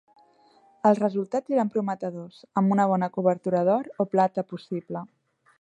Els resultats eren prometedors amb una bona cobertura d'or o plata possible.